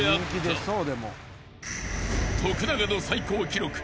［徳永の最高記録